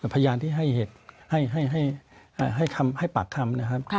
พยานที่ให้เหตุให้ปากคำนะครับ